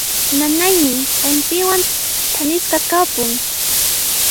Nanayniy hampiwan thanisqa kapun.